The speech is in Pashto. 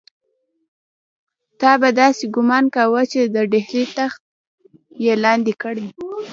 تا به داسې ګومان کاوه چې د ډهلي تخت یې لاندې کړی.